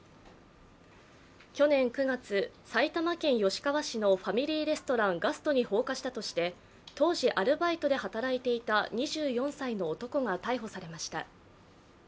去年９月、埼玉県吉川市のファミリーレストランガストに放火したとして当時アルバイトで働いていた２４歳の男が逮捕されました。